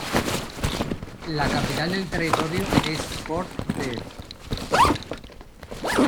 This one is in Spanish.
La capital del territorio es Port Blair.